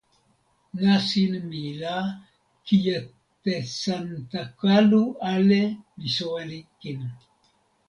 nasin mi la kijetesantakalu ale li soweli kin.